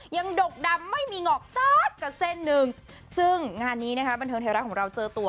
ดกดำไม่มีหงอกสักกับเส้นหนึ่งซึ่งงานนี้นะคะบันเทิงไทยรัฐของเราเจอตัว